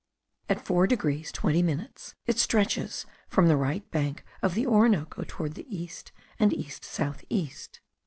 At 4 degrees 20 minutes it stretches from the right bank of the Orinoco toward the east and east south east.